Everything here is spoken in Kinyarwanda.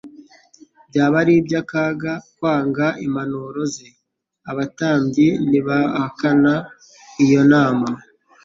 byaba ari akaga kwanga impanuro ze. Abatambyi ntibahakana iyo nama,